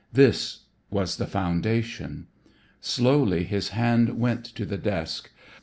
This was the foundation. Slowly his hand went to the desk.